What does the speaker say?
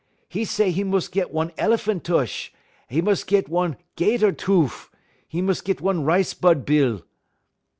'E say 'e mus' git one el'phan' tush, un 'e mus' git one 'gater toof, un 'e mus' git one rice bud bill.